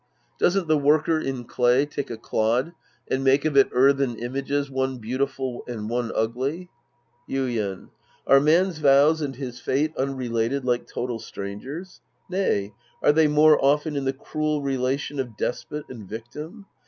Doesn't the worker in clay take a clod and make of it earthen images one beautiful and one ugly ? Yiden. Are man's vows and his fate unrelated like total strangers. Nay, are they more often in the cruel relation of despot and victim?